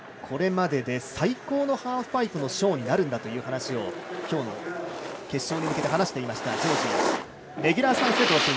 これまでで最高のハーフパイプのショーになるんだという話を今日の決勝に向けて話しました。